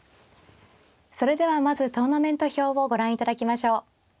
それではまずトーナメント表をご覧いただきましょう。